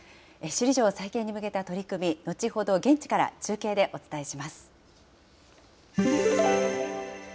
首里城再建に向けた取り組み、後ほど現地から中継でお伝えします。